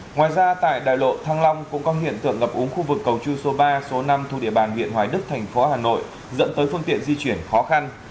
ngoài ra tại đài lộ thăng long cũng có hiện tượng ngập úng khu vực cầu chư số ba số năm thu địa bàn huyện hoài đức thành phố hà nội dẫn tới phương tiện di chuyển khó khăn